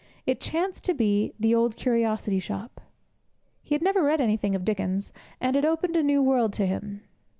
It chanced to be The Old Curiosity Shop. He had never read anything of Dickens, and it opened a new world to him.